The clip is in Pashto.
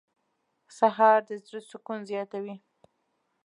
سهار د زړه سکون زیاتوي.